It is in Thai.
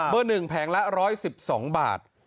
เบอร์๑แผงละ๑๑๒บาท